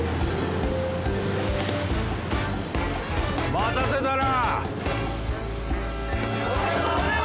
・待たせたな。